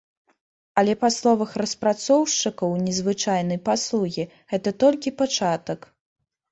Але па словах распрацоўшчыкаў незвычайнай паслугі, гэта толькі пачатак.